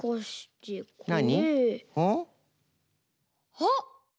あっ！